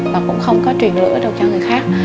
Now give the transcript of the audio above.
và cũng không có truyền lửa đâu cho người khác